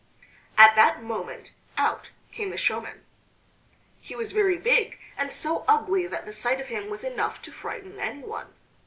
At that moment out came the showman. He was very big and so ugly that the sight of him was enough to frighten anyone.